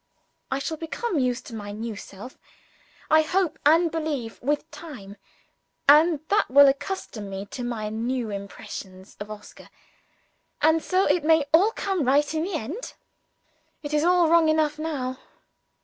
I shall become used to my new self, I hope and believe, with time and that will accustom me to my new impressions of Oscar and so it may all come right in the end. It is all wrong enough now.